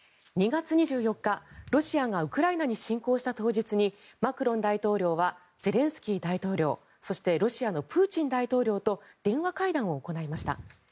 ２月２４日、ロシアがウクライナに侵攻した当日にマクロン大統領はゼレンスキー大統領そしてロシアのプーチン大統領と電話会談を行いました。